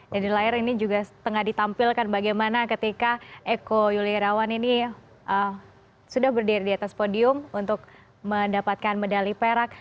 jadi layar ini juga setengah ditampilkan bagaimana ketika eko yulirawan ini sudah berdiri di atas podium untuk mendapatkan medali perak